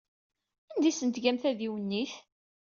Anda ay asent-tgam tadiwennit?